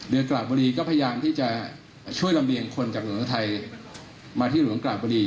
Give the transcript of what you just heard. เรือกราบบรีก็พยายามที่จะช่วยรำเรียงคนจากหลวงสัตว์ไทยมาที่หลวงกราบบรี